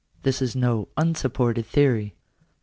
This is no unsup ported theory.